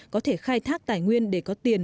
có thể khai thác tài nguyên để có tiền